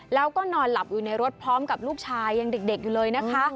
แล้วก็นอนหลับอยู่ในรถพร้อมกับลูกชายยังเด็กอยู่เลยนะคะ